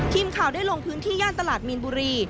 ทีมข่าวได้ลงพื้นที่ย่านตลาดมีนบุรี